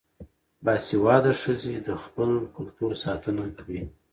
باسواده ښځې د خپل کلتور ساتنه کوي.